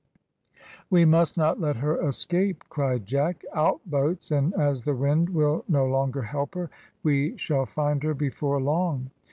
"We must not let her escape," cried Jack. "Out boats, and as the wind will no longer help her we shall find her before long."